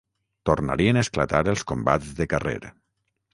Tornarien a esclatar els combats de carrer